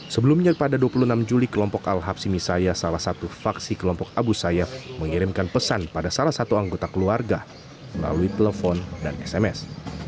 sebelumnya pada dua puluh enam juli kelompok al habsi misaya salah satu faksi kelompok abu sayyaf mengirimkan pesan pada salah satu anggota keluarga melalui telepon dan sms